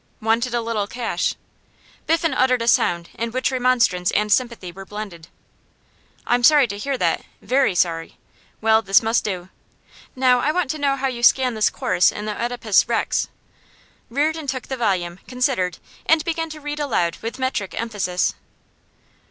'Wanted a little cash.' Biffen uttered a sound in which remonstrance and sympathy were blended. 'I'm sorry to hear that; very sorry. Well, this must do. Now, I want to know how you scan this chorus in the "Oedipus Rex."' Reardon took the volume, considered, and began to read aloud with metric emphasis.